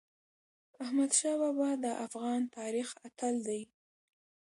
احمدشاه بابا د افغان تاریخ اتل دی.